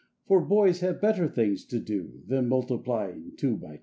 For boys have better things to do Than multiplying two by two!